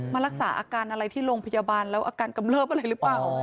มารักษาอาการอะไรที่โรงพยาบาลแล้วอาการกำเลิบอะไรหรือเปล่า